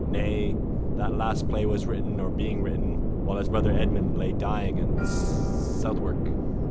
Nay, that last play was written or being written while his brother Edmund lay dying in Southwark.